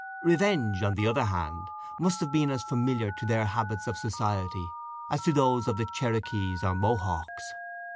Revenge, on the other hand, must have been as familiar to their habits of society as to those of the Cherokees or Mohawks.